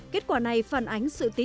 kết quả này phản ánh sự tín nhiên